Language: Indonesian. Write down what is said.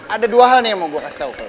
ada dua hal nih yang mau gue kasih tau